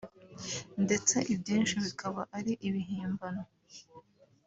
ndetse ibyinshi bikaba ari ibihimbano